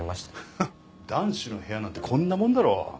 フッ男子の部屋なんてこんなもんだろ。